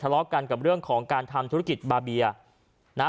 เลาะกันกับเรื่องของการทำธุรกิจบาเบียนะฮะ